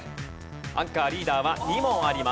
アンカーリーダーは２問あります。